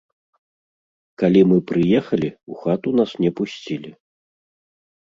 Калі мы прыехалі, у хату нас не пусцілі.